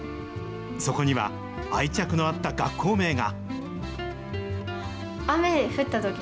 そこには、愛着のあった学校名が。